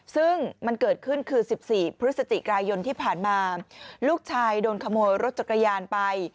ซึ่งมันเกิดขึ้นคือ๑๔พฤศจิกายนที่ผ่านมาลูกชายโดนขโมยรถจักรยานไป